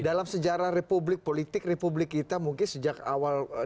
dalam sejarah republik politik republik kita mungkin sejak awal